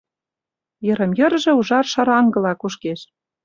Йырым-йырже ужар шараҥгыла кушкеш.